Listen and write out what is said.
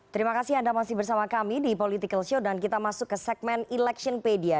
terima kasih anda masih bersama kami di political show dan kita masuk ke segmen electionpedia